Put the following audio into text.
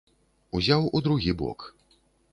Узяў у другі бок.